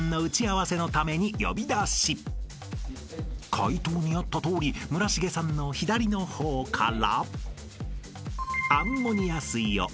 ［解答にあったとおり村重さんの左の方から］